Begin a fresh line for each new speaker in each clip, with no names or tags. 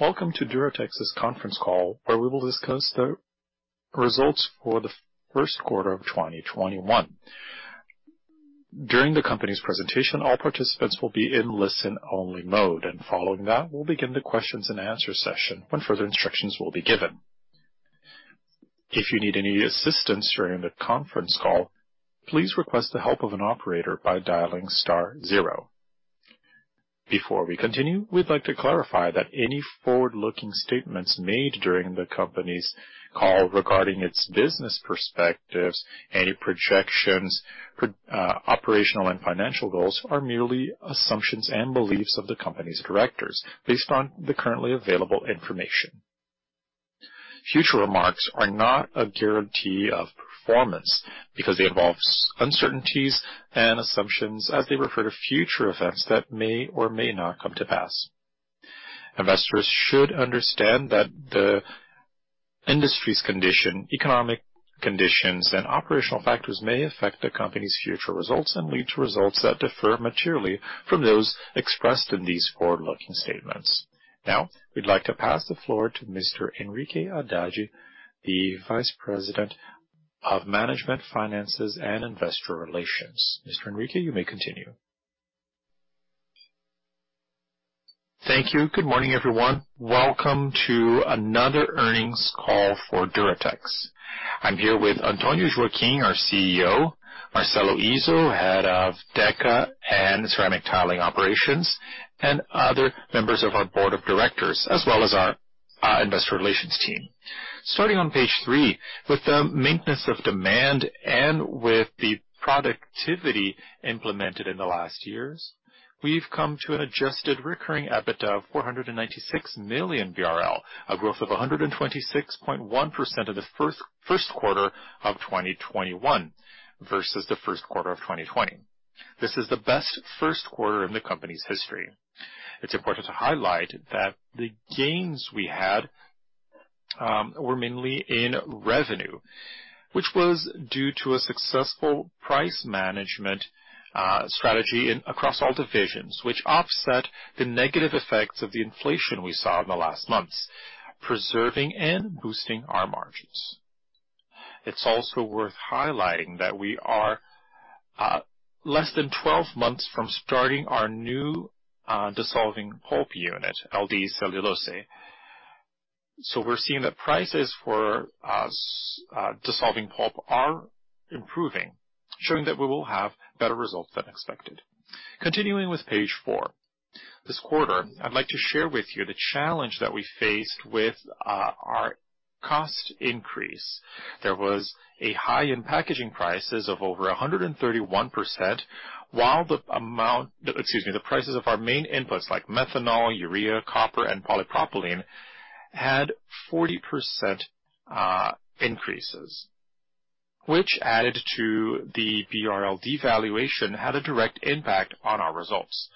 Welcome to Duratex's conference call, where we will discuss the results for the first quarter of 2021. During the company's presentation, all participants will be in listen-only mode, and following that, we'll begin the questions-and-answer session when further instructions will be given. If you need any assistance during the conference call, please request the help of an operator by dialing star zero. Before we continue, we'd like to clarify that any forward-looking statements made during the company's call regarding its business perspectives, any projections, operational and financial goals are merely assumptions and beliefs of the company's directors based on the currently available information. Future remarks are not a guarantee of performance because they involve uncertainties and assumptions as they refer to future events that may or may not come to pass. Investors should understand that the industry's condition, economic conditions, and operational factors may affect the company's future results and lead to results that differ materially from those expressed in these forward-looking statements. We'd like to pass the floor to Mr. Henrique Haddad, the Vice President of Management, Finances, and Investor Relations. Mr. Henrique, you may continue.
Thank you. Good morning, everyone. Welcome to another earnings call for Duratex. I'm here with Antonio Joaquim, our CEO, Marcelo Izzo, Head of Deca and Ceramic Tiling Operations, and other members of our Board of Directors, as well as our investor relations team. Starting on page three, with the maintenance of demand and with the productivity implemented in the last years, we've come to an adjusted recurring EBITDA of BRL 496 million, a growth of 126.1% of the first quarter of 2021 versus the first quarter of 2020. This is the best first quarter in the company's history. It's important to highlight that the gains we had were mainly in revenue, which was due to a successful price management strategy across all divisions, which offset the negative effects of the inflation we saw in the last months, preserving and boosting our margins. It's also worth highlighting that we are less than 12 months from starting our new dissolving pulp unit, LD Celulose. We're seeing that prices for dissolving pulp are improving, showing that we will have better results than expected. Continuing with page four. This quarter, I'd like to share with you the challenge that we faced with our cost increase. There was a high in packaging prices of over 131%, while the amount—excuse me the prices of our main inputs like methanol, urea, copper, and polypropylene had 40% increases, which added to the BRL devaluation, had a direct impact on our results.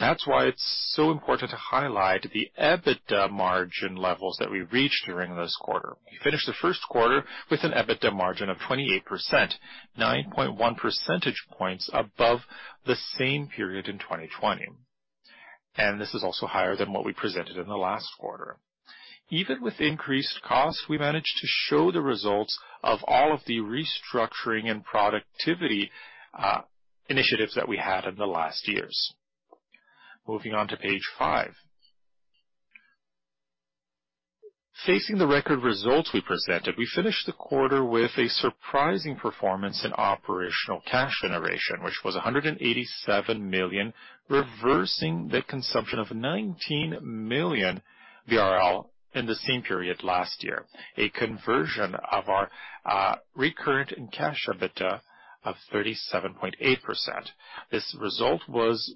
That's why it's so important to highlight the EBITDA margin levels that we reached during this quarter. We finished the first quarter with an EBITDA margin of 28%, 9.1 percentage points above the same period in 2020. This is also higher than what we presented in the last quarter. Even with increased costs, we managed to show the results of all of the restructuring and productivity initiatives that we had in the last years. Moving on to page five. Facing the record results we presented, we finished the quarter with a surprising performance in operational cash generation, which was 187 million, reversing the consumption of 19 million in the same period last year, a conversion of our recurrent and cash EBITDA of 37.8%. This result was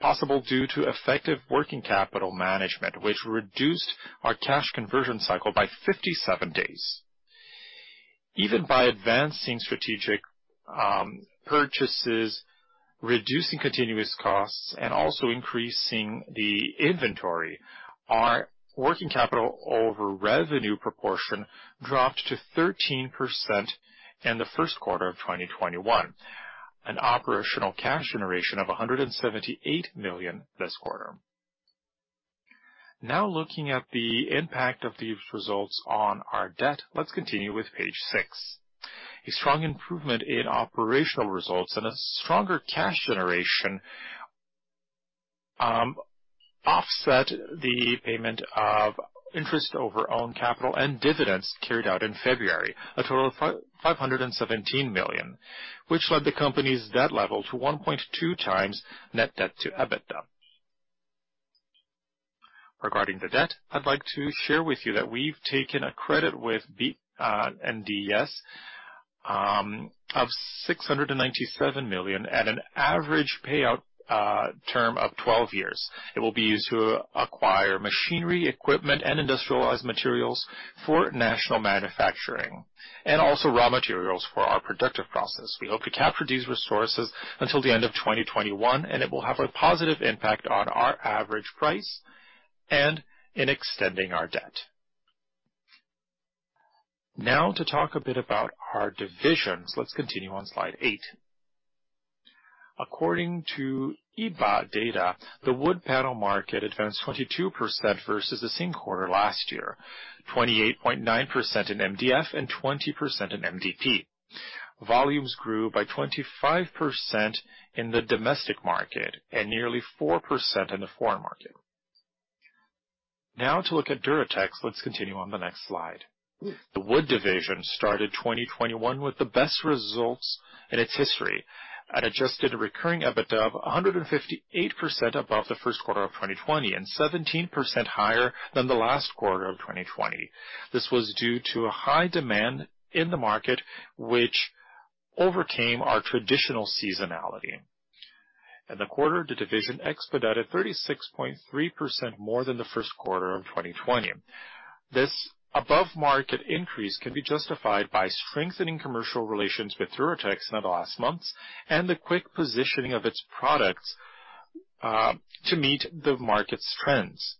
possible due to effective working capital management, which reduced our cash conversion cycle by 57 days. Even by advancing strategic purchases, reducing continuous costs, and also increasing the inventory, our working capital over revenue proportion dropped to 13% in the first quarter of 2021, an operational cash generation of 178 million this quarter. Now looking at the impact of these results on our debt. Let's continue with page six. A strong improvement in operational results and a stronger cash generation offset the payment of interest over own capital and dividends carried out in February, a total of 517 million, which led the company's debt level to 1.2x net debt to EBITDA. Regarding the debt, I'd like to share with you that we've taken a credit with BNDES of 697 million at an average payout term of 12 years. It will be used to acquire machinery, equipment, and industrialized materials for national manufacturing and also raw materials for our productive process. We hope to capture these resources until the end of 2021, and it will have a positive impact on our average price and in extending our debt. Now to talk a bit about our divisions. Let's continue on slide eight. According to IBÁ data, the wood panel market advanced 22% versus the same quarter last year, 28.9% in MDF and 20% in MDP. Volumes grew by 25% in the domestic market and nearly 4% in the foreign market. Now to look at Duratex. Let's continue on the next slide. The Wood division started 2021 with the best results in its history, at adjusted recurring EBITDA of 158% above the first quarter of 2020 and 17% higher than the last quarter of 2020. This was due to a high demand in the market, which overcame our traditional seasonality. In the quarter, the division expedited 36.3% more than the first quarter of 2020. This above-market increase can be justified by strengthening commercial relations with Duratex in the last months and the quick positioning of its products to meet the market's trends.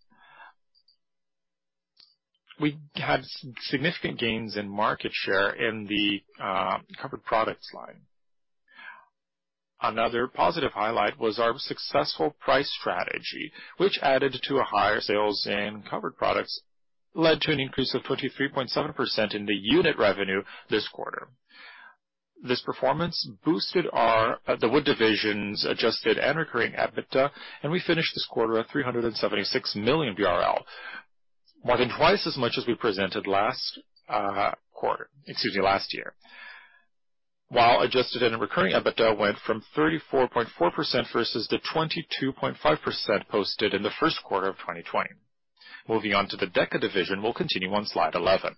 We had significant gains in market share in the covered products line. Another positive highlight was our successful price strategy, which added to higher sales in covered products led to an increase of 23.7% in the unit revenue this quarter. This performance boosted the Wood division's adjusted and recurring EBITDA, and we finished this quarter at 376 million BRL, more than twice as much as we presented last year, while adjusted and recurring EBITDA went from 34.4% versus the 22.5% posted in the first quarter of 2020. Moving on to the Deca division, we'll continue on slide 11.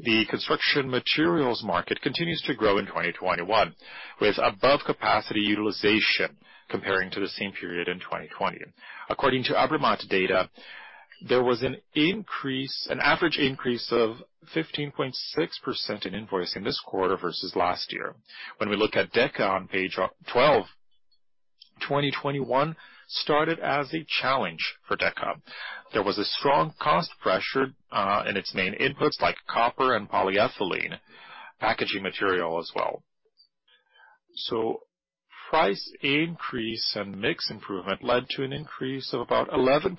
The construction materials market continues to grow in 2021, with above-capacity utilization comparing to the same period in 2020. According to ABRAMAT data, there was an average increase of 15.6% in invoicing this quarter versus last year. When we look at Deca on page 12, 2021 started as a challenge for Deca. There was a strong cost pressure in its main inputs like copper and polyethylene packaging material as well. Price increase and mix improvement led to an increase of about 11%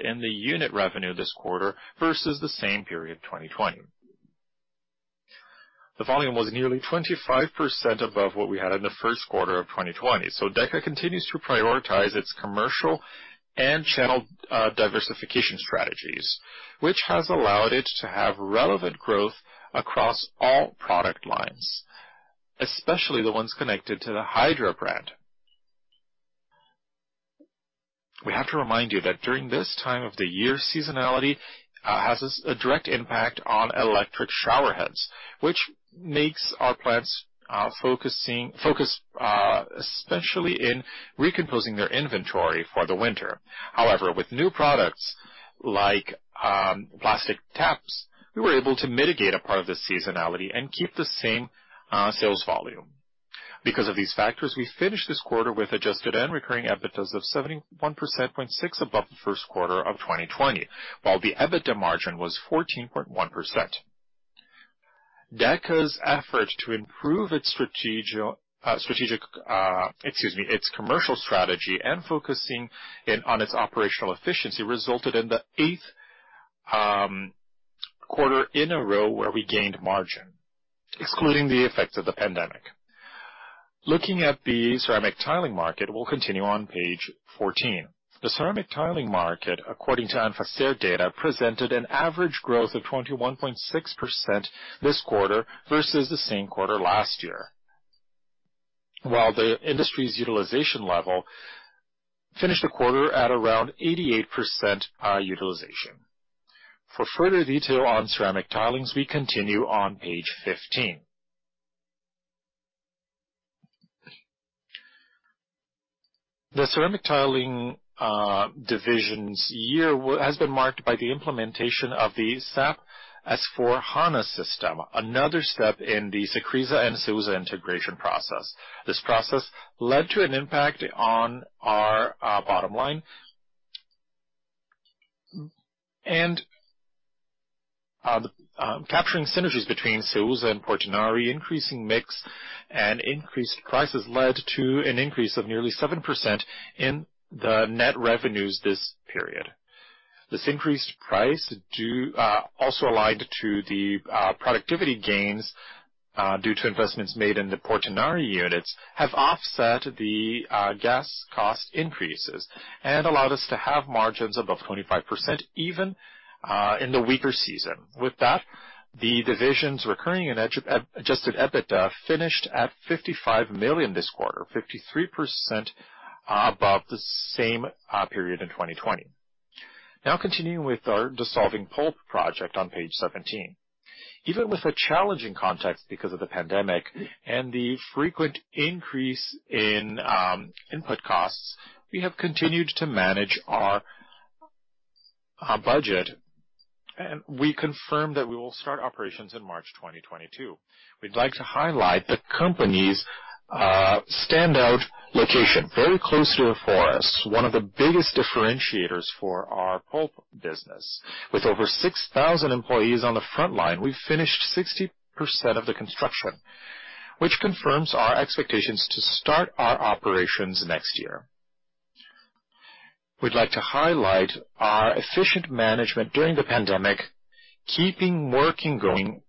in the unit revenue this quarter versus the same period in 2020. The volume was nearly 25% above what we had in the first quarter of 2020. Deca continues to prioritize its commercial and channel diversification strategies, which has allowed it to have relevant growth across all product lines, especially the ones connected to the Hydra brand. We have to remind you that during this time of the year, seasonality has a direct impact on electric shower heads, which makes our plants focus especially in recomposing their inventory for the winter. However, with new products like plastic taps, we were able to mitigate a part of the seasonality and keep the same sales volume. Because of these factors, we finished this quarter with adjusted and recurring EBITDA of 71.6% above the first quarter of 2020, while the EBITDA margin was 14.1%. Deca's effort to improve its commercial strategy and focusing on its operational efficiency resulted in the eighth quarter in a row where we gained margin, excluding the effects of the pandemic. Looking at the ceramic tiling market, we'll continue on page 14. The ceramic tiling market, according to Anfacer data, presented an average growth of 21.6% this quarter versus the same quarter last year. While the industry's utilization level finished the quarter at around 88% utilization. For further detail on Ceramic Tilings, we continue on page 15. The Ceramic Tiling division's year has been marked by the implementation of the SAP S/4HANA system, another step in the Cecrisa and Ceusa integration process. This process led to an impact on our bottom line and the capturing synergies between Ceusa and Portinari, increasing mix and increased prices led to an increase of nearly 7% in the net revenues this period. This increased price, also aligned to the productivity gains due to investments made in the Portinari units, have offset the gas cost increases and allowed us to have margins above 25%, even in the weaker season. With that, the division's recurring and adjusted EBITDA finished at 55 million this quarter, 53% above the same period in 2020. Now continuing with our dissolving pulp project on page 17. Even with a challenging context because of the pandemic and the frequent increase in input costs, we have continued to manage our budget, and we confirm that we will start operations in March 2022. We'd like to highlight the company's standout location, very close to a forest, one of the biggest differentiators for our pulp business. With over 6,000 employees on the front line, we finished 60% of the construction, which confirms our expectations to start our operations next year. We'd like to highlight our efficient management during the pandemic, keeping working, going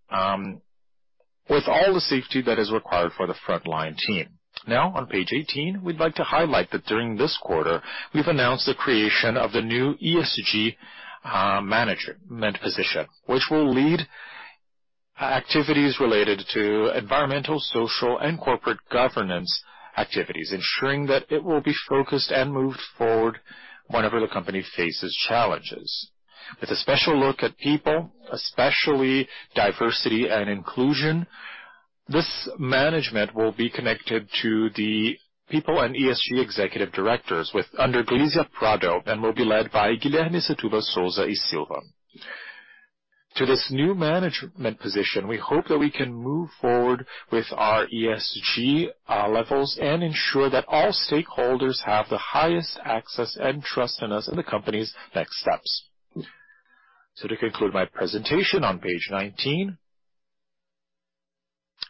with all the safety that is required for the frontline team. Now, on page 18, we'd like to highlight that during this quarter, we've announced the creation of the new ESG management position, which will lead activities related to environmental, social, and corporate governance activities, ensuring that it will be focused and moved forward whenever the company faces challenges. With a special look at people, especially diversity and inclusion, this management will be connected to the people and ESG executive directors under Glizia Prado and will be led by Guilherme Setúbal Souza e Silva. To this new management position, we hope that we can move forward with our ESG levels and ensure that all stakeholders have the highest access and trust in us in the company's next steps. To conclude my presentation on page 19,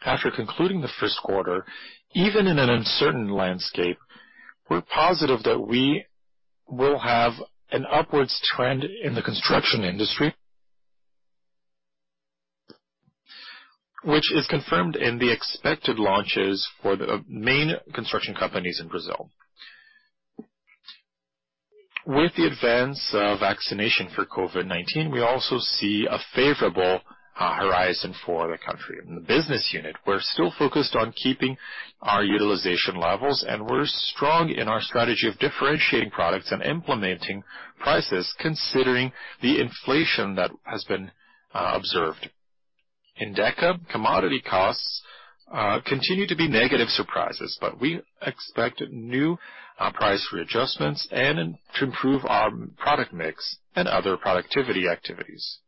after concluding the first quarter, even in an uncertain landscape, we're positive that we will have an upwards trend in the construction industry, which is confirmed in the expected launches for the main construction companies in Brazil. With the advance of vaccination for COVID-19, we also see a favorable horizon for the country. In the business unit, we're still focused on keeping our utilization levels, and we're strong in our strategy of differentiating products and implementing prices considering the inflation that has been observed. In Deca, commodity costs continue to be negative surprises, but we expect new price readjustments and to improve our product mix and other productivity activities.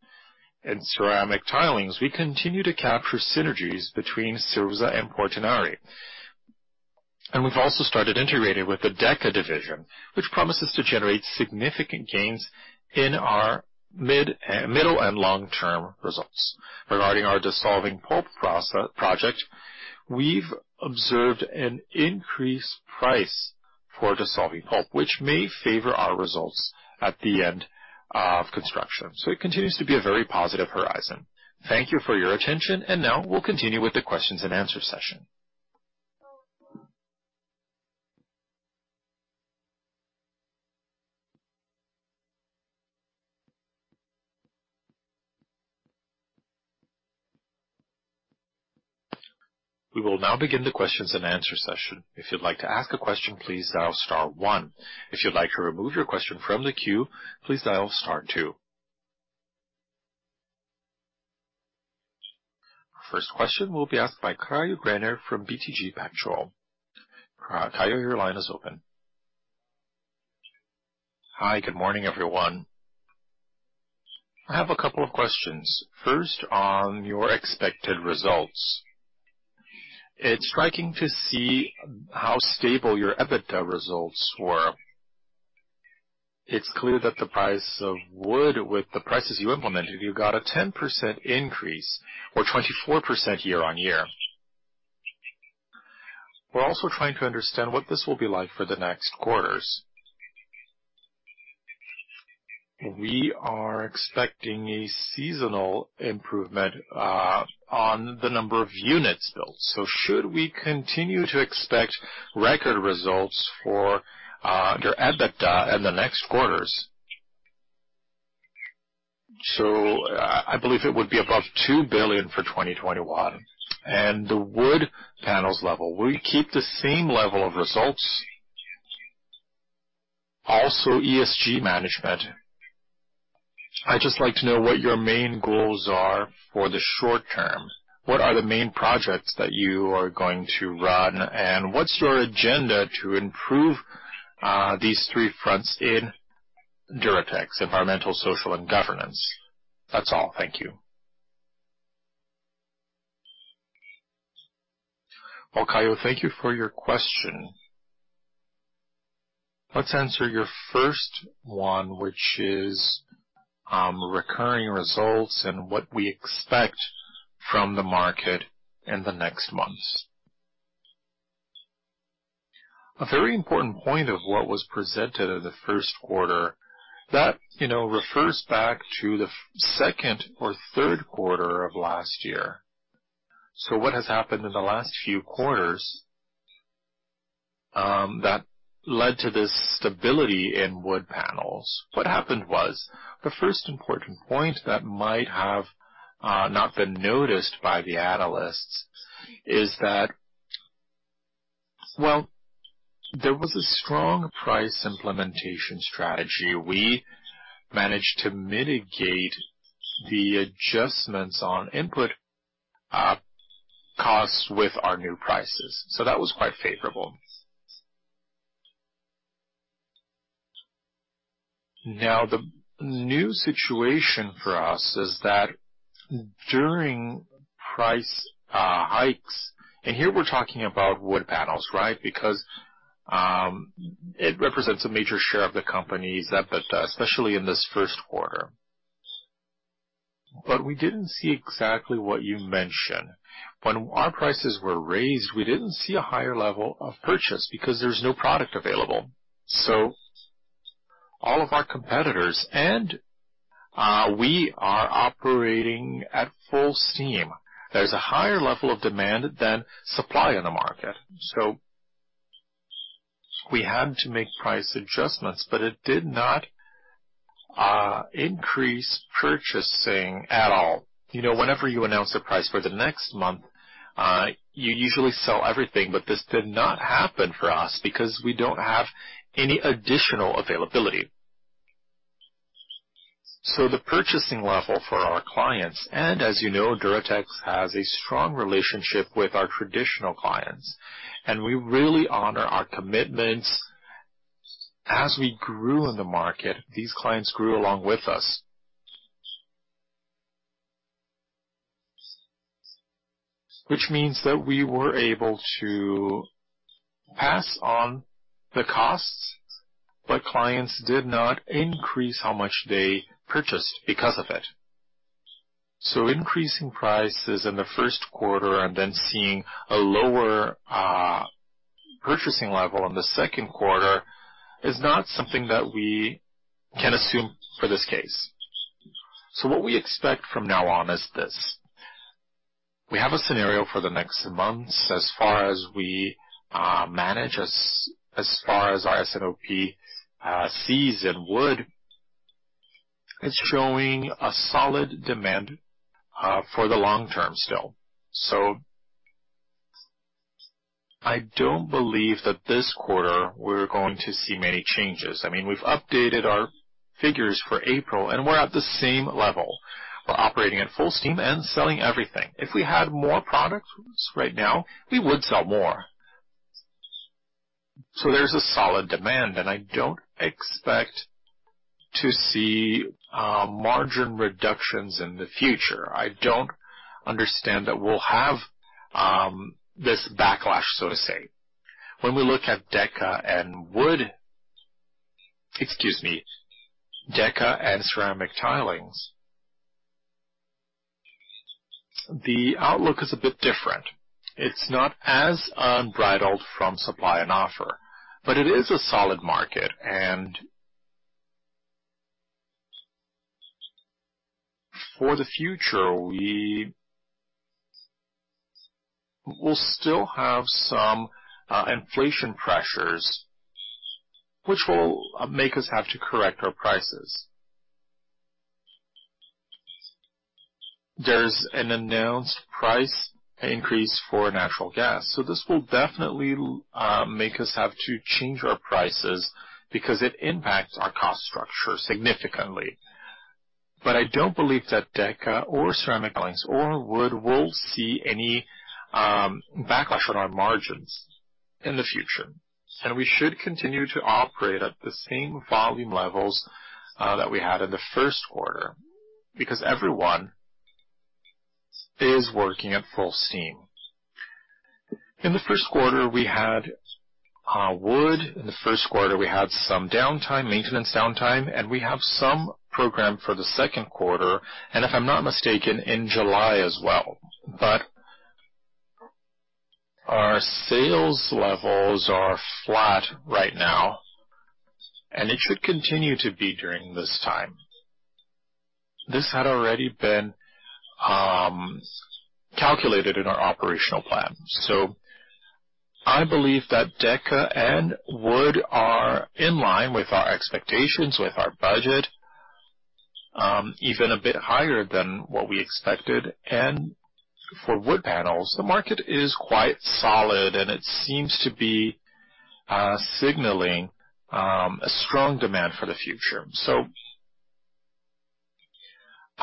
In Ceramic Tilings, we continue to capture synergies between Ceusa and Portinari, and we've also started integrating with the Deca division, which promises to generate significant gains in our middle and long-term results. Regarding our dissolving pulp project, we've observed an increased price for dissolving pulp, which may favor our results at the end of construction. It continues to be a very positive horizon. Thank you for your attention, and now we'll continue with the questions-and-answer session.
We will now begin the questions-and-answer session. First question will be asked by Caio Greiner from BTG Pactual. Caio, your line is open.
Hi. Good morning, everyone. I have a couple of questions. First, on your expected results. It's striking to see how stable your EBITDA results were. It's clear that the price of wood with the prices you implemented, you got a 10% increase or 24% year-on-year. We're also trying to understand what this will be like for the next quarters. We are expecting a seasonal improvement on the number of units built. Should we continue to expect record results for your EBITDA in the next quarters? I believe it would be above 2 billion for 2021. The wood panels level, will you keep the same level of results? Also, ESG management. I'd just like to know what your main goals are for the short term. What are the main projects that you are going to run, and what's your agenda to improve these three fronts in Duratex, environmental, social, and governance? That's all. Thank you.
Well, Caio, thank you for your question. Let's answer your first one, which is recurring results and what we expect from the market in the next months. A very important point of what was presented in the first quarter that refers back to the second or third quarter of last year. What has happened in the last few quarters, that led to this stability in Wood Panels, the first important point that might have not been noticed by the analysts is that, well, there was a strong price implementation strategy. We managed to mitigate the adjustments on input costs with our new prices. That was quite favorable. Now, the new situation for us is that during price hikes, and here we're talking about Wood Panels, right? It represents a major share of the company's EBITDA, especially in this first quarter. We didn't see exactly what you mentioned. When our prices were raised, we didn't see a higher level of purchase because there's no product available. All of our competitors, and we are operating at full steam. There's a higher level of demand than supply in the market. We had to make price adjustments, but it did not increase purchasing at all. Whenever you announce a price for the next month, you usually sell everything, but this did not happen for us because we don't have any additional availability. The purchasing level for our clients, and as you know, Duratex has a strong relationship with our traditional clients, and we really honor our commitments. As we grew in the market, these clients grew along with us. Which means that we were able to pass on the costs, but clients did not increase how much they purchased because of it. Increasing prices in the first quarter and then seeing a lower purchasing level in the second quarter is not something that we can assume for this case. What we expect from now on is this. We have a scenario for the next months as far as we manage, as far as our S&OP sees in Wood, it's showing a solid demand for the long term still. I don't believe that this quarter we're going to see many changes. We've updated our figures for April, and we're at the same level. We're operating at full steam and selling everything. If we had more products right now, we would sell more. There's a solid demand, and I don't expect to see margin reductions in the future. I don't understand that we'll have this backlash, so to say. When we look at Deca and Wood. Excuse me. Deca and Ceramic Tilings, the outlook is a bit different. It's not as unbridled from supply and offer, but it is a solid market, and for the future, we will still have some inflation pressures, which will make us have to correct our prices. There's an announced price increase for natural gas. This will definitely make us have to change our prices because it impacts our cost structure significantly. I don't believe that Deca or Ceramic Tilings or Wood will see any backlash on our margins in the future. We should continue to operate at the same volume levels that we had in the first quarter because everyone is working at full steam. In the first quarter, we had Wood, in the first quarter, we had some downtime, maintenance downtime, and we have some program for the second quarter, and if I'm not mistaken, in July as well. Our sales levels are flat right now, and it should continue to be during this time. This had already been calculated in our operational plan. I believe that Deca and Wood are in line with our expectations, with our budget, even a bit higher than what we expected. For wood panels, the market is quite solid, and it seems to be signaling a strong demand for the future.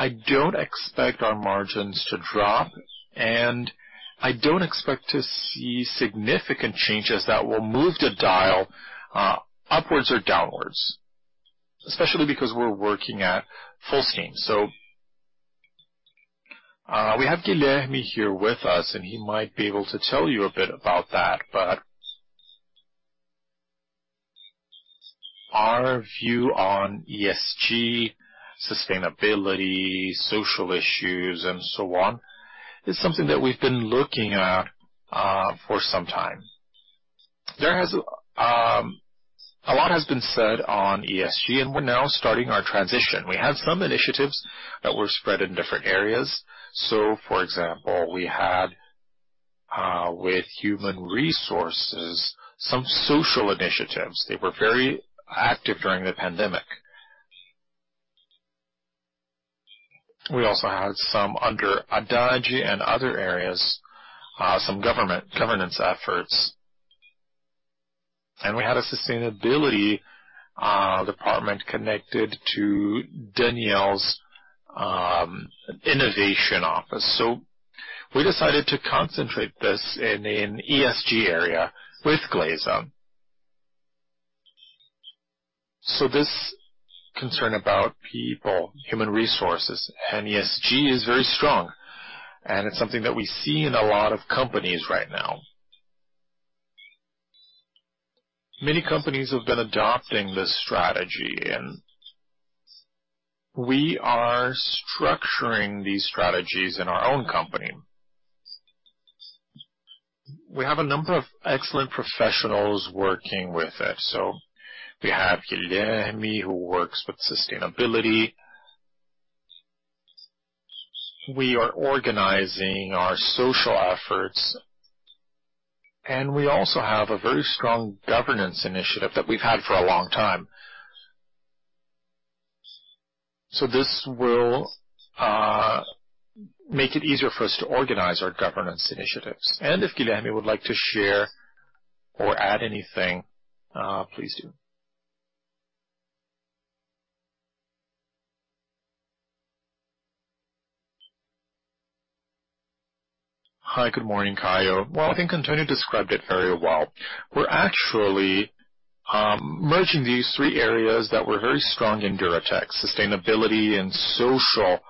I don't expect our margins to drop, and I don't expect to see significant changes that will move the dial upwards or downwards, especially because we're working at full steam. We have Guilherme here with us, and he might be able to tell you a bit about that. Our view on ESG, sustainability, social issues, and so on, is something that we've been looking at for some time. A lot has been said on ESG, we're now starting our transition. We had some initiatives that were spread in different areas. For example, we had, with human resources, some social initiatives. They were very active during the pandemic. We also had some under Haddad and other areas, some governance efforts. We had a sustainability department connected to Daniel's innovation office. We decided to concentrate this in an ESG area with Glizia. This concern about people, human resources, and ESG is very strong, and it's something that we see in a lot of companies right now. Many companies have been adopting this strategy, and we are structuring these strategies in our own company. We have a number of excellent professionals working with it. We have Guilherme, who works with sustainability. We are organizing our social efforts, and we also have a very strong governance initiative that we've had for a long time. This will make it easier for us to organize our governance initiatives. If Guilherme would like to share or add anything, please do.
Hi, good morning, Caio. Well, I think Antonio described it very well. We're actually merging these three areas that were very strong in Duratex, sustainability and social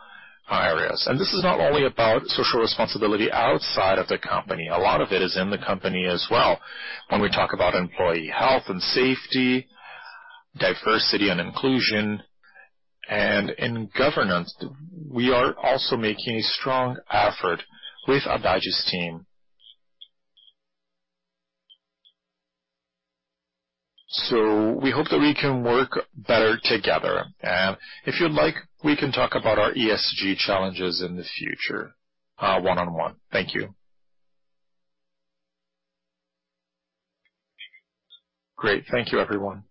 areas. This is not only about social responsibility outside of the company, a lot of it is in the company as well. When we talk about employee health and safety, diversity and inclusion, and in governance, we are also making a strong effort with Haddad's team. We hope that we can work better together. If you'd like, we can talk about our ESG challenges in the future one-on-one. Thank you.
Great. Thank you, everyone.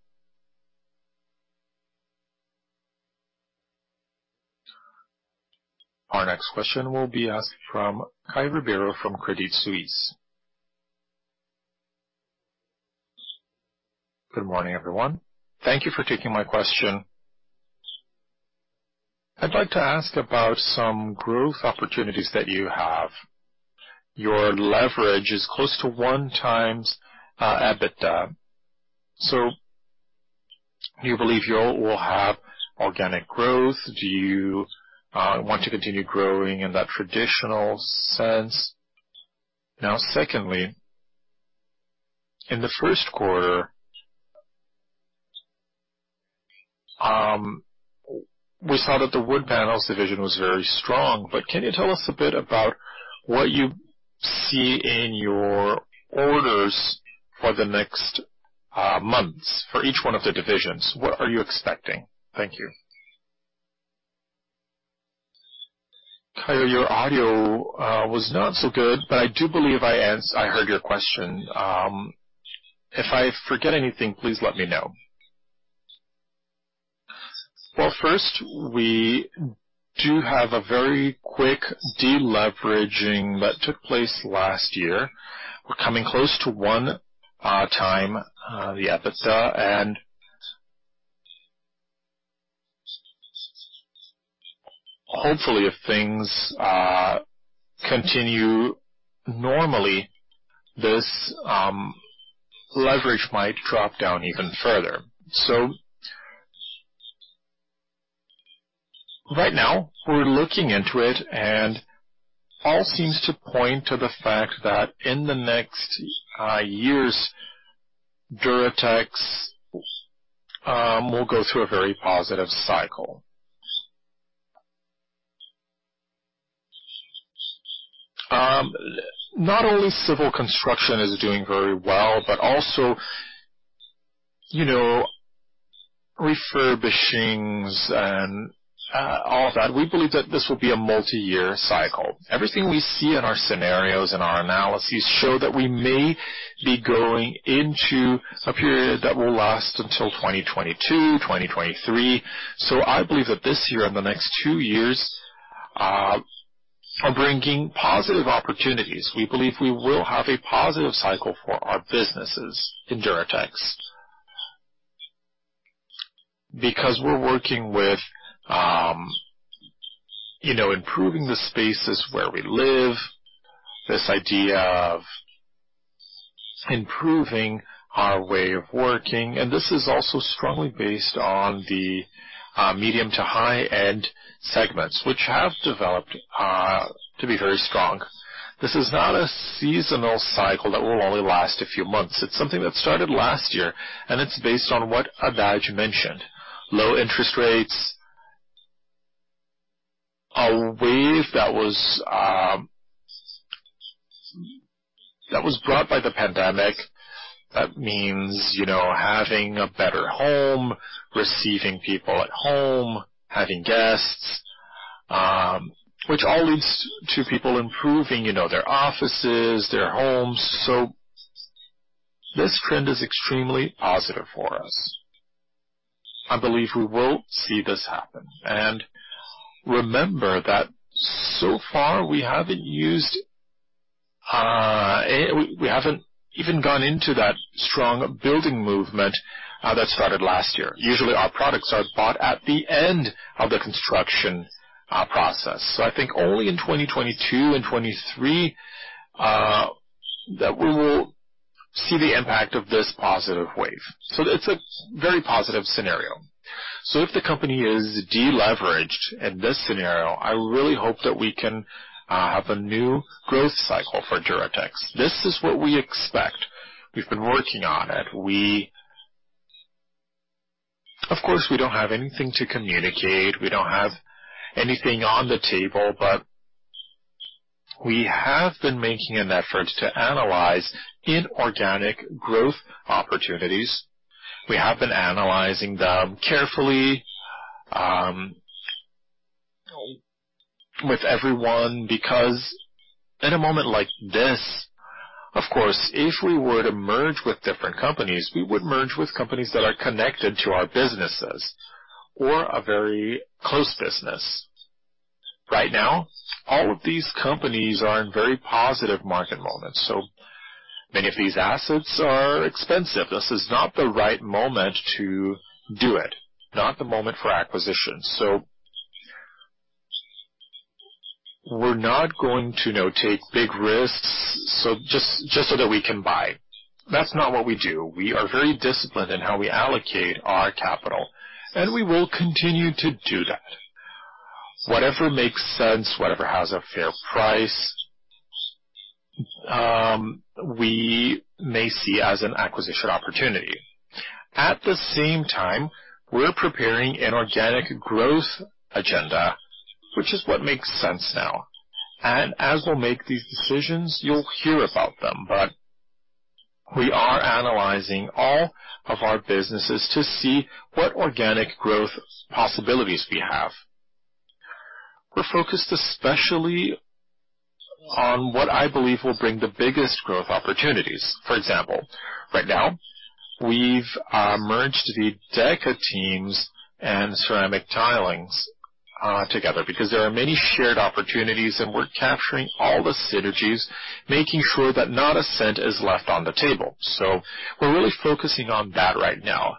Our next question will be asked from Caio Ribeiro from Credit Suisse.
Good morning, everyone. Thank you for taking my question. I'd like to ask about some growth opportunities that you have. Your leverage is close to 1x EBITDA. Do you believe you will have organic growth? Do you want to continue growing in that traditional sense? Secondly, in the first quarter, we saw that the Wood Panels division was very strong, but can you tell us a bit about what you see in your orders for the next months for each one of the divisions? What are you expecting? Thank you.
Caio, your audio was not so good, but I do believe I heard your question. If I forget anything, please let me know. Well, first, we do have a very quick deleveraging that took place last year. We're coming close to 1x the EBITDA. Hopefully if things continue normally, this leverage might drop down even further. Right now we're looking into it and all seems to point to the fact that in the next years, Duratex will go through a very positive cycle. Not only civil construction is doing very well, also refurbishings and all of that. We believe that this will be a multi-year cycle. Everything we see in our scenarios and our analyses show that we may be going into a period that will last until 2022, 2023. I believe that this year and the next two years are bringing positive opportunities. We believe we will have a positive cycle for our businesses in Duratex, because we're working with improving the spaces where we live, this idea of improving our way of working. This is also strongly based on the medium to high-end segments, which have developed to be very strong. This is not a seasonal cycle that will only last a few months. It's something that started last year. It's based on what Haddad mentioned. Low interest rates, a wave that was brought by the pandemic. That means having a better home, receiving people at home, having guests, which all leads to people improving their offices, their homes. This trend is extremely positive for us. I believe we will see this happen. Remember that so far we haven't even gone into that strong building movement that started last year. Usually, our products are bought at the end of the construction process. I think only in 2022 and 2023, that we will see the impact of this positive wave. It's a very positive scenario. If the company is de-leveraged in this scenario, I really hope that we can have a new growth cycle for Duratex. This is what we expect. We've been working on it. Of course, we don't have anything to communicate, we don't have anything on the table, but we have been making an effort to analyze inorganic growth opportunities. We have been analyzing them carefully, with everyone. In a moment like this, of course, if we were to merge with different companies, we would merge with companies that are connected to our businesses or a very close business. Right now, all of these companies are in very positive market moments. Many of these assets are expensive. This is not the right moment to do it, not the moment for acquisitions. We're not going to now take big risks just so that we can buy. That's not what we do. We are very disciplined in how we allocate our capital, and we will continue to do that. Whatever makes sense, whatever has a fair price, we may see as an acquisition opportunity. At the same time, we're preparing an organic growth agenda, which is what makes sense now. As we'll make these decisions, you'll hear about them, but we are analyzing all of our businesses to see what organic growth possibilities we have. We're focused especially on what I believe will bring the biggest growth opportunities. For example, right now we've merged the Deca teams and Ceramic Tilings together because there are many shared opportunities, and we're capturing all the synergies, making sure that not a cent is left on the table. We're really focusing on that right now.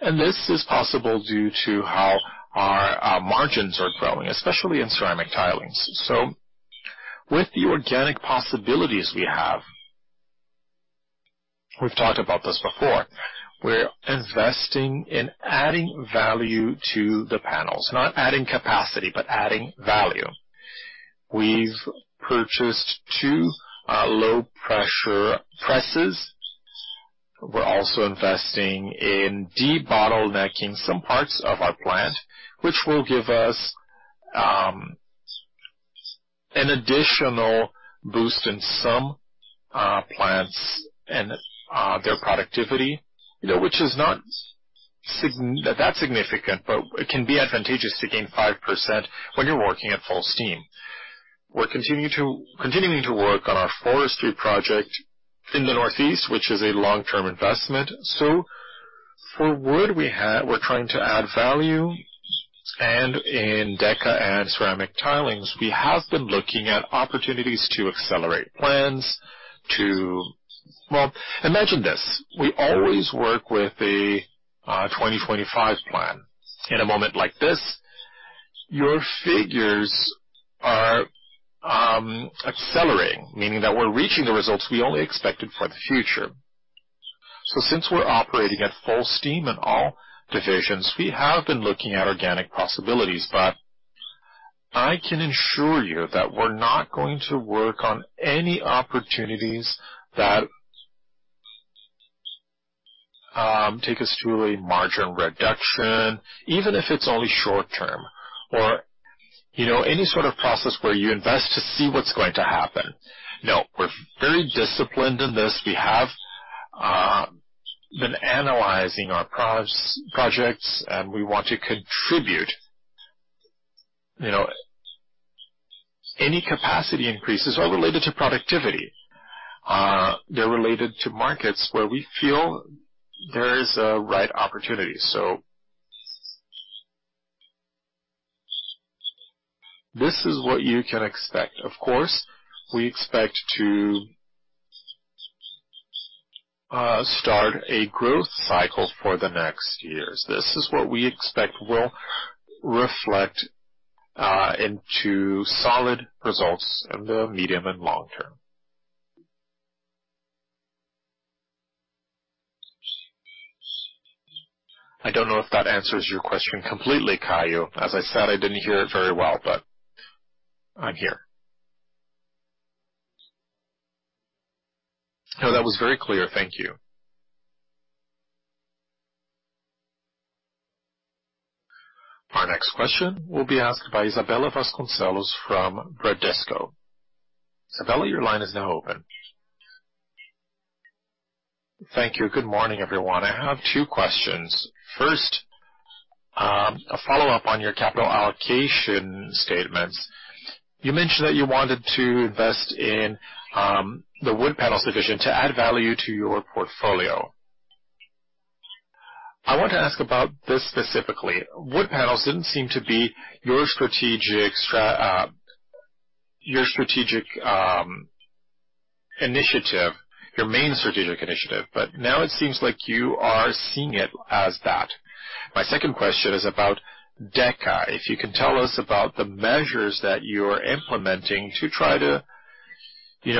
This is possible due to how our margins are growing, especially in Ceramic Tilings. With the organic possibilities we have, we've talked about this before, we're investing in adding value to the panels. Not adding capacity, but adding value. We've purchased two low-pressure presses. We're also investing in debottlenecking some parts of our plant, which will give us an additional boost in some plants and their productivity, which is not that significant, but it can be advantageous to gain 5% when you're working at full steam. We're continuing to work on our forestry project in the Northeast, which is a long-term investment. For Wood, we're trying to add value, and in Deca and Ceramic Tilings, we have been looking at opportunities to accelerate plans. Imagine this, we always work with a 2025 plan. In a moment like this, your figures are accelerating, meaning that we're reaching the results we only expected for the future. Since we're operating at full steam in all divisions, we have been looking at organic possibilities. I can assure you that we're not going to work on any opportunities that take us to a margin reduction, even if it's only short-term, or any sort of process where you invest to see what's going to happen. We're very disciplined in this. We have been analyzing our projects, and we want to contribute. Any capacity increases are related to productivity. They're related to markets where we feel there is a right opportunity. This is what you can expect. Of course, we expect to start a growth cycle for the next years. This is what we expect will reflect into solid results in the medium and long term. I don't know if that answers your question completely, Caio. As I said, I didn't hear it very well, but I'm here.
No, that was very clear. Thank you.
Our next question will be asked by Isabella Vasconcelos from Bradesco. Isabella, your line is now open.
Thank you. Good morning, everyone. I have two questions. First, a follow-up on your capital allocation statements. You mentioned that you wanted to invest in the Wood Panels division to add value to your portfolio. I want to ask about this specifically. Wood Panels didn't seem to be your main strategic initiative, but now it seems like you are seeing it as that. My second question is about Deca. If you can tell us about the measures that you are implementing to try to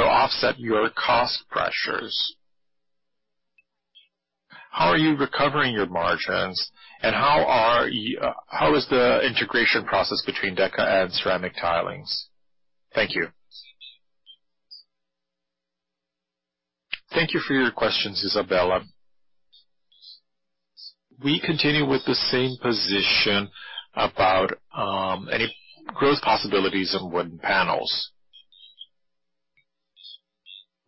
offset your cost pressures. How are you recovering your margins, and how is the integration process between Deca and Ceramic Tilings? Thank you.
Thank you for your questions, Isabella. We continue with the same position about any growth possibilities in Wooden Panels.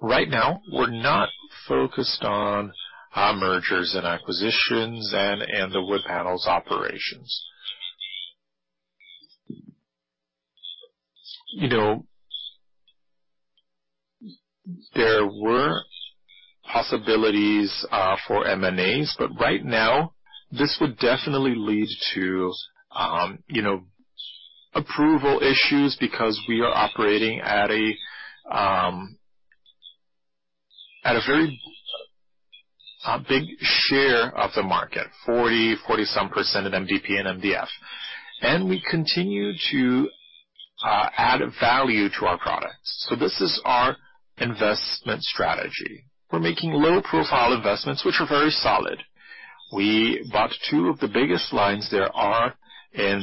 We're not focused on mergers and acquisitions and the Wood Panels operations. There were possibilities for M&As, this would definitely lead to approval issues because we are operating at a very big share of the market, 40-some percent of MDP and MDF. We continue to add value to our products. This is our investment strategy. We're making low-profile investments, which are very solid. We bought two of the biggest lines there are in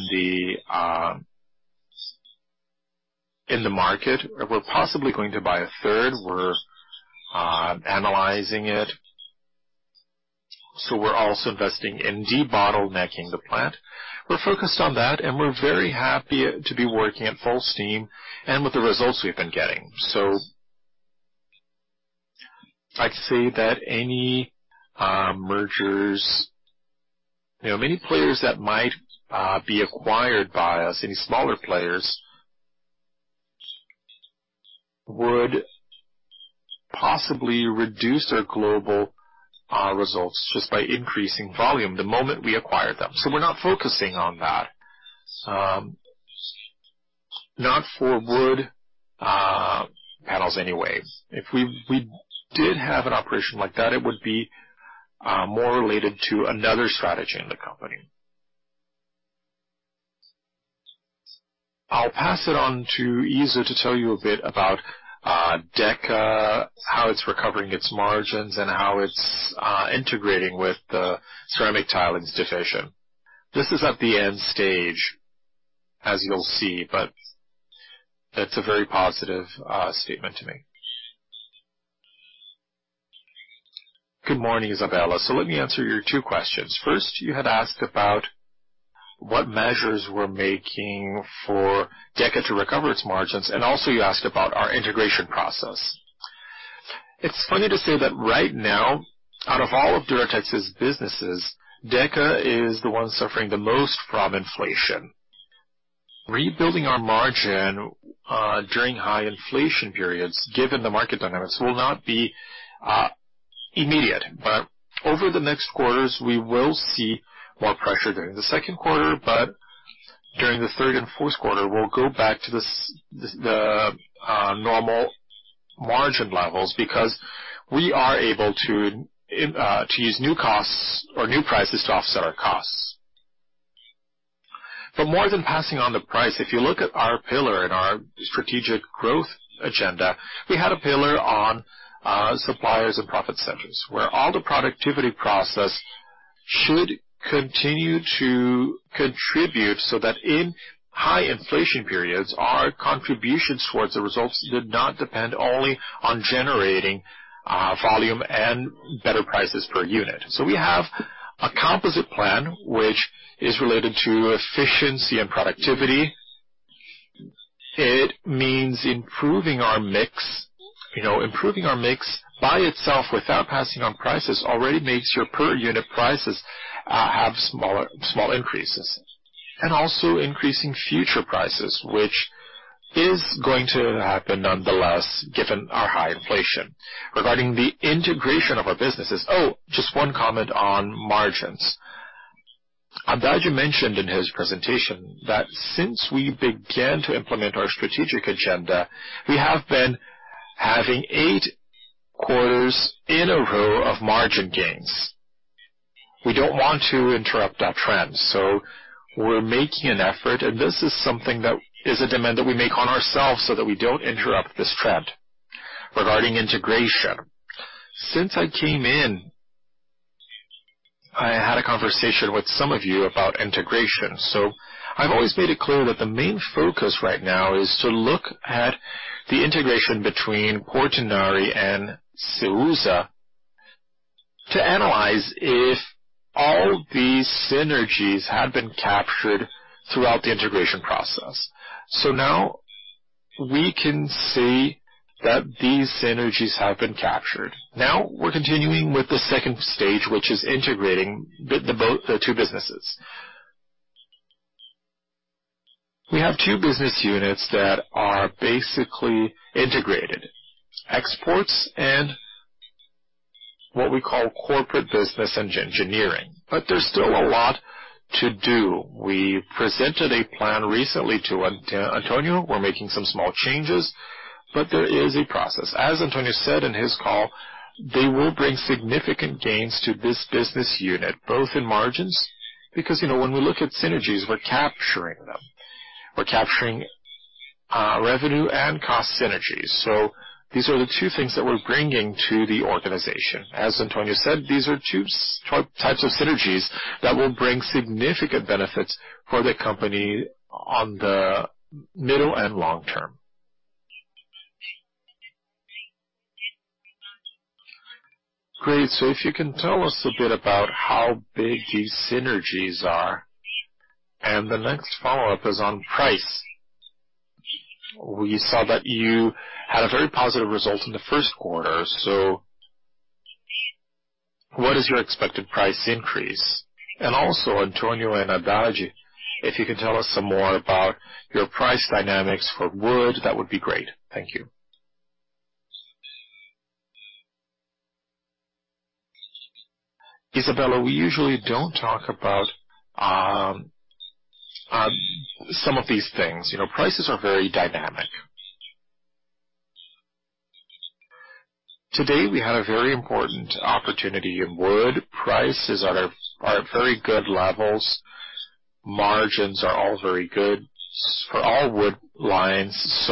the market. We're possibly going to buy a third. We're analyzing it. We're also investing in debottlenecking the plant. We're focused on that, and we're very happy to be working at full steam and with the results we've been getting. I'd say that any mergers, many players that might be acquired by us, any smaller players, would possibly reduce our global results just by increasing volume the moment we acquired them. We're not focusing on that. Not for Wood Panels, anyway. If we did have an operation like that, it would be more related to another strategy in the company. I'll pass it on to Izzo to tell you a bit about Deca, how it's recovering its margins, and how it's integrating with the Ceramic Tilings division. This is at the end stage, as you'll see. That's a very positive statement to me.
Good morning, Isabella. Let me answer your two questions. First, you had asked about what measures we're making for Deca to recover its margins, and also you asked about our integration process. It's funny to say that right now, out of all of Duratex's businesses, Deca is the one suffering the most from inflation. Rebuilding our margin during high-inflation periods, given the market dynamics, will not be immediate. Over the next quarters, we will see more pressure during the second quarter, but during the third and fourth quarter, we'll go back to the normal margin levels because we are able to use new costs or new prices to offset our costs. More than passing on the price, if you look at our pillar and our strategic growth agenda, we had a pillar on suppliers and profit centers, where all the productivity process should continue to contribute so that in high-inflation periods, our contributions towards the results did not depend only on generating volume and better prices per unit. We have a composite plan which is related to efficiency and productivity. It means improving our mix. Improving our mix by itself without passing on prices already makes your per-unit prices have small increases. Also increasing future prices, which is going to happen nonetheless, given our high inflation. Regarding the integration of our businesses. Oh, just one comment on margins. Haddad mentioned in his presentation that since we began to implement our strategic agenda, we have been having eight quarters in a row of margin gains. We don't want to interrupt that trend, so we're making an effort, and this is something that is a demand that we make on ourselves so that we don't interrupt this trend. Regarding integration. Since I came in, I had a conversation with some of you about integration. I've always made it clear that the main focus right now is to look at the integration between Portinari and Ceusa to analyze if all these synergies have been captured throughout the integration process. Now we can see that these synergies have been captured. Now we're continuing with the second stage, which is integrating the two businesses. We have two business units that are basically integrated, exports and what we call corporate business engineering. There's still a lot to do. We presented a plan recently to Antonio. We're making some small changes, but there is a process. As Antonio said in his call, they will bring significant gains to this business unit, both in margins. When we look at synergies, we're capturing them. We're capturing revenue and cost synergies. These are the two things that we're bringing to the organization. As Antonio said, these are two types of synergies that will bring significant benefits for the company on the middle and long term.
Great. If you can tell us a bit about how big these synergies are. The next follow-up is on price. We saw that you had a very positive result in the first quarter. What is your expected price increase? Also, Antonio and Haddad, if you can tell us some more about your price dynamics for wood, that would be great. Thank you.
Isabella, we usually don't talk about some of these things. Prices are very dynamic. Today, we had a very important opportunity in wood. Prices are at very good levels. Margins are all very good for all wood lines.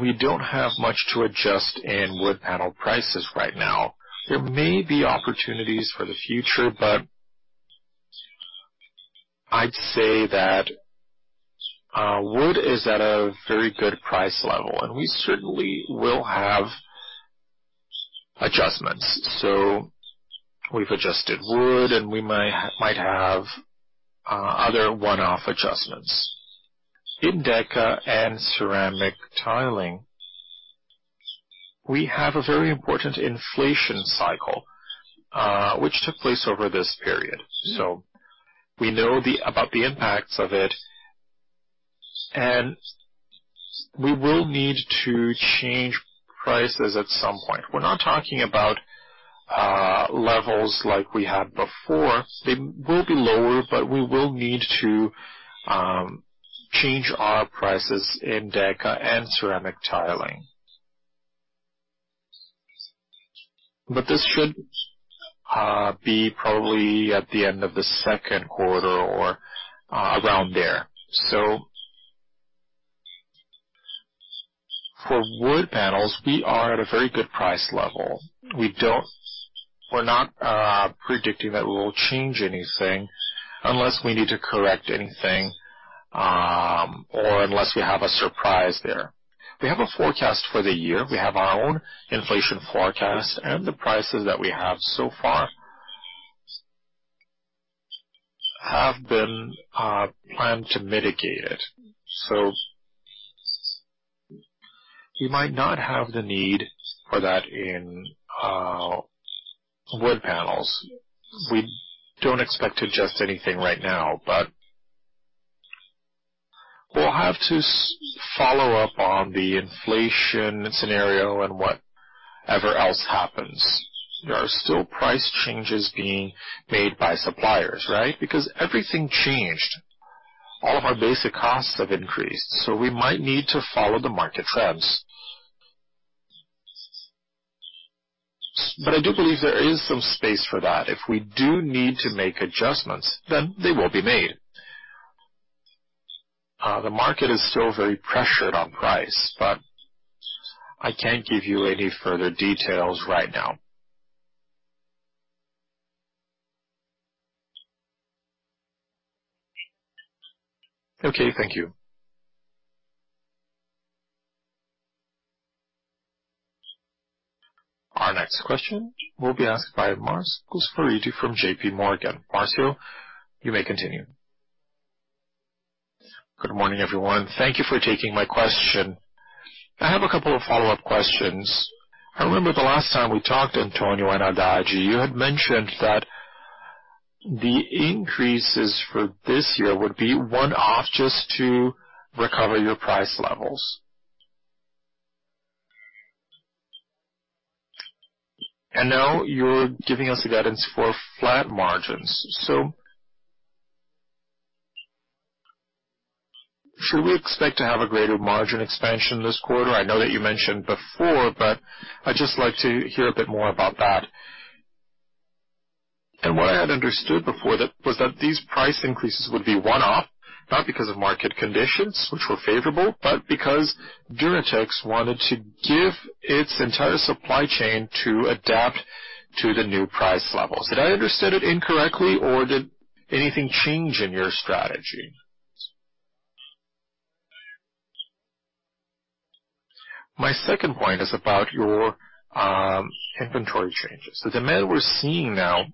We don't have much to adjust in wood panel prices right now. There may be opportunities for the future. I'd say that wood is at a very good price level, and we certainly will have adjustments. We've adjusted Wood, and we might have other one-off adjustments. In Deca and Ceramic Tiling, we have a very important inflation cycle, which took place over this period. We know about the impacts of it, and we will need to change prices at some point. We're not talking about levels like we had before. They will be lower, but we will need to change our prices in Deca and Ceramic Tiling. This should be probably at the end of the second quarter or around there. For Wood Panels, we are at a very good price level. We're not predicting that we will change anything unless we need to correct anything, or unless we have a surprise there. We have a forecast for the year. We have our own inflation forecast, and the prices that we have so far have been planned to mitigate it. You might not have the need for that in Wood Panels. We don't expect to adjust anything right now, but we'll have to follow up on the inflation scenario and whatever else happens. There are still price changes being made by suppliers, right? Because everything changed. All of our basic costs have increased. We might need to follow the market trends. I do believe there is some space for that. If we do need to make adjustments, then they will be made. The market is still very pressured on price. I can't give you any further details right now.
Okay, thank you.
Our next question will be asked by Marcio Farid from JPMorgan. Marcio, you may continue.
Good morning, everyone. Thank you for taking my question. I have a couple of follow-up questions. I remember the last time we talked, Antonio and Haddad, you had mentioned that the increases for this year would be one-off just to recover your price levels. Now you're giving us a guidance for flat margins. Should we expect to have a greater margin expansion this quarter? I know that you mentioned before, but I'd just like to hear a bit more about that. What I had understood before was that these price increases would be one-off, not because of market conditions, which were favorable, but because Duratex wanted to give its entire supply chain to adapt to the new price levels. Did I understand it incorrectly, or did anything change in your strategy? My second point is about your inventory changes. The demand we're seeing now,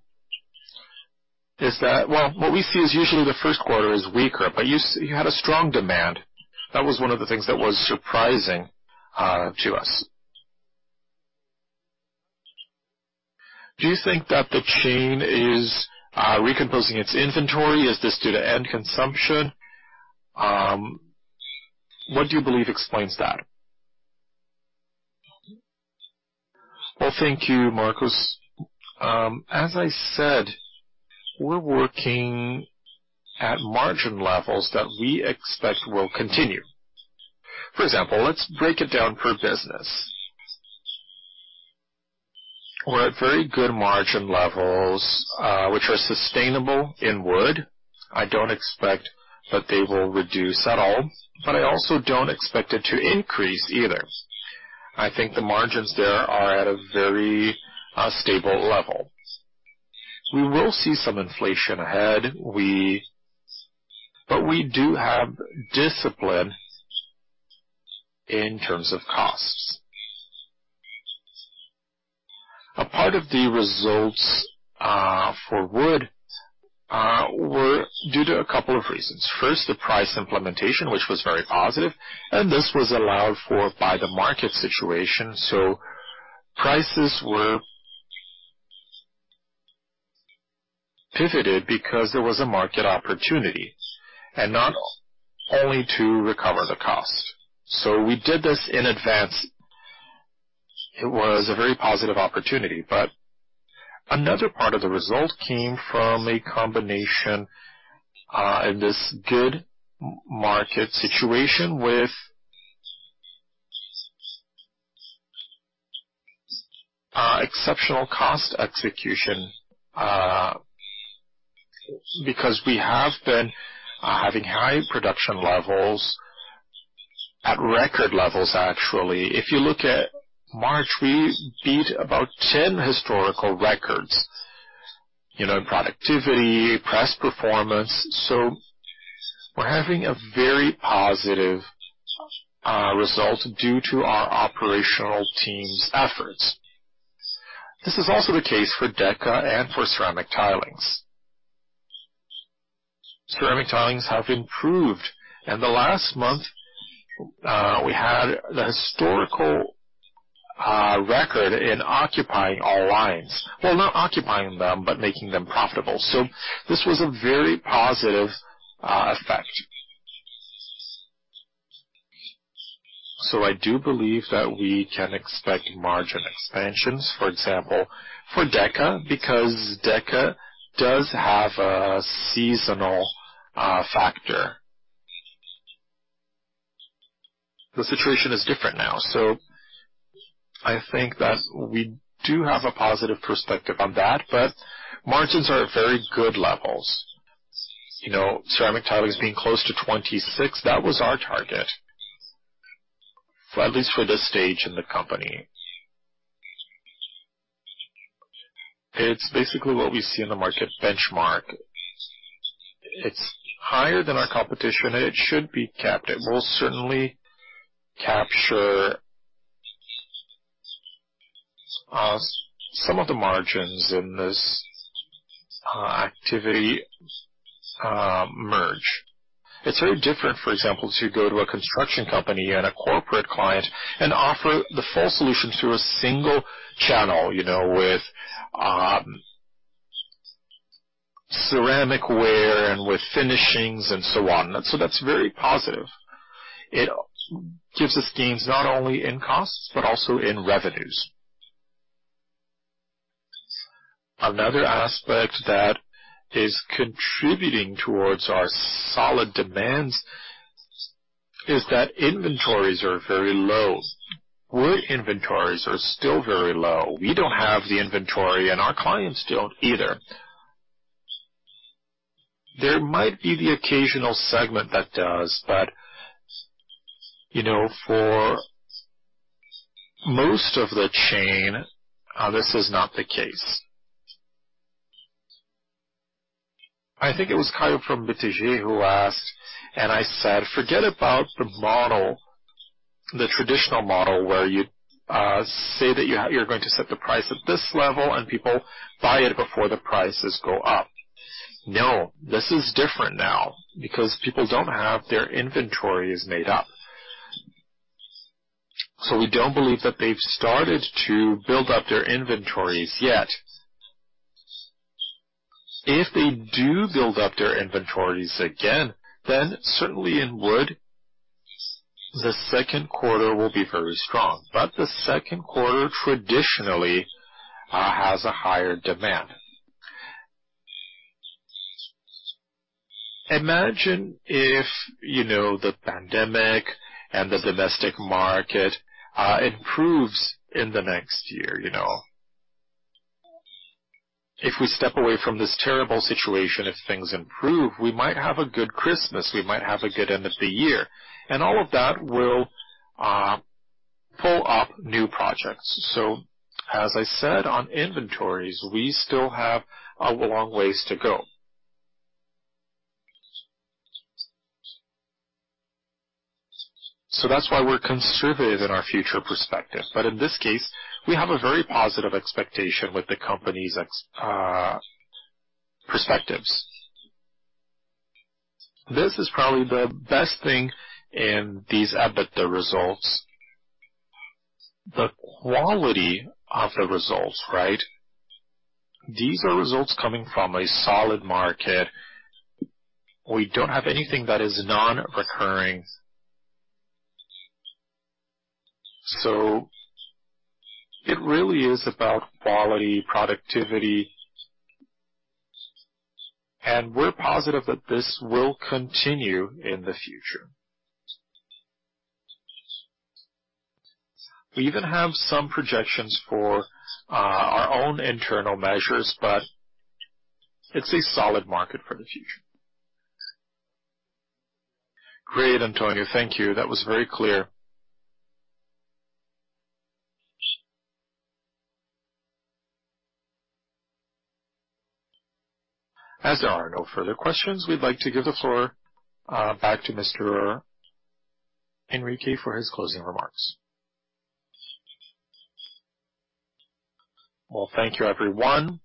well, what we see is usually the first quarter is weaker, but you had a strong demand. That was one of the things that was surprising to us. Do you think that the chain is recomposing its inventory? Is this due to end consumption? What do you believe explains that?
Well, thank you, Marcio. As I said, we're working at margin levels that we expect will continue. For example, let's break it down per business. We're at very good margin levels, which are sustainable in Wood. I don't expect that they will reduce at all, but I also don't expect it to increase either. I think the margins there are at a very stable level. We will see some inflation ahead. We do have discipline in terms of costs. A part of the results for Wood were due to a couple of reasons. First, the price implementation, which was very positive, and this was allowed for by the market situation. Prices were pivoted because there was a market opportunity, and not only to recover the cost. We did this in advance. It was a very positive opportunity. Another part of the result came from a combination of this good market situation with exceptional cost execution, because we have been having high production levels, at record levels, actually. If you look at March, we beat about 10 historical records in productivity, press performance. We're having a very positive result due to our operational team's efforts. This is also the case for Deca and for Ceramic Tilings. Ceramic Tilings have improved. In the last month, we had the historical record in occupying all lines. Well, not occupying them, but making them profitable. This was a very positive effect. I do believe that we can expect margin expansions, for example, for Deca, because Deca does have a seasonal factor. The situation is different now, I think that we do have a positive perspective on that, but margins are at very good levels. Ceramic Tilings being close to 26%, that was our target, at least for this stage in the company. It's basically what we see in the market benchmark. It's higher than our competition, and it should be kept. It will certainly capture some of the margins in this activity merge. It's very different, for example, to go to a construction company and a corporate client and offer the full solution through a single channel, with ceramic ware and with finishings and so on. That's very positive. It gives us gains not only in costs, but also in revenues. Another aspect that is contributing towards our solid demands is that inventories are very low. Wood inventories are still very low. We don't have the inventory, and our clients don't either. There might be the occasional segment that does, but for most of the chain, this is not the case. I think it was Caio from BTG who asked, and I said, forget about the traditional model where you say that you're going to set the price at this level, and people buy it before the prices go up. No, this is different now, because people don't have their inventories made up. We don't believe that they've started to build up their inventories yet. If they do build up their inventories again, then certainly in Wood, the second quarter will be very strong. The second quarter traditionally has a higher demand. Imagine if the pandemic and the domestic market improves in the next year. If we step away from this terrible situation, if things improve, we might have a good Christmas, we might have a good end of the year, and all of that will pull up new projects. As I said on inventories, we still have a long ways to go. That's why we're conservative in our future perspective. In this case, we have a very positive expectation with the company's perspectives. This is probably the best thing in these EBITDA results. The quality of the results, these are results coming from a solid market. We don't have anything that is non-recurring. It really is about quality, productivity, and we're positive that this will continue in the future. We even have some projections for our own internal measures, but it's a solid market for the future.
Great, Antonio. Thank you. That was very clear.
As there are no further questions, we'd like to give the floor back to Mr. Henrique for his closing remarks.
Well, thank you, everyone.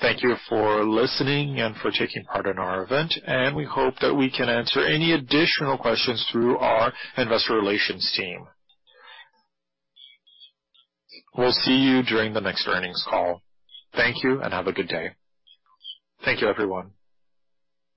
Thank you for listening and for taking part in our event. We hope that we can answer any additional questions through our investor relations team. We'll see you during the next earnings call. Thank you and have a good day. Thank you, everyone.